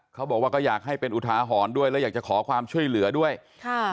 เขาบอกว่าก็อยากให้เป็นอุทาหรณ์ด้วยแล้วอยากจะขอความช่วยเหลือด้วยค่ะ